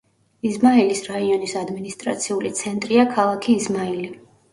იზმაილის რაიონის ადმინისტრაციული ცენტრია ქალაქი იზმაილი.